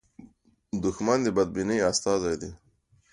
دښمن د بدبینۍ استازی دی